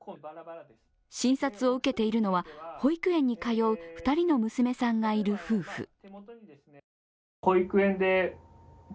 診察を受けているのは保育園に通う２人の娘さんがいる夫婦。